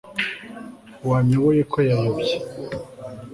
wanyoboye ko yayobye